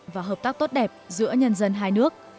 và hợp tác tốt đẹp giữa nhân dân hai nước